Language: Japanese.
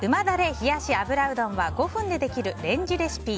冷やし油うどんは５分でできるレンジレシピ。